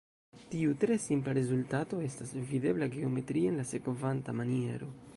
Tiu tre simpla rezultato estas videbla geometrie, en la sekvanta maniero.